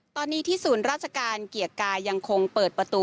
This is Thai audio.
ตอนนี้ที่ศูนย์ราชการเกียรติกายยังคงเปิดประตู